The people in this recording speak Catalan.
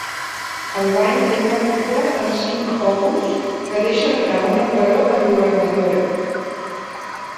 El bany té una cúpula amb cinc òculs que deixa entrar una claror enlluernadora.